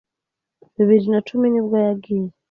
Bibiri na cumi nibwo yagiye